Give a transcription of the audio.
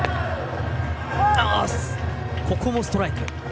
ここもストライク。